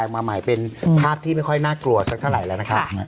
ภาพที่ไม่ค่อยน่ากลัวสักเท่าไหร่แล้วนะคะ